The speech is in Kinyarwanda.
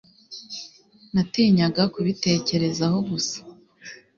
Natinyaga kubitekerezaho gusa. (___)